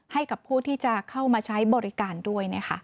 ให้กับผู้ที่จะเข้ามาใช้บริการด้วย